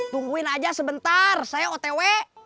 tungguin aja sebentar saya otw